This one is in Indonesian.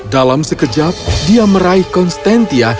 dalam sekejap dia meraih konstantia